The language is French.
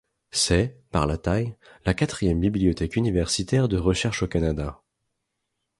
C'est, par la taille, la quatrième bibliothèque universitaire de recherche au Canada.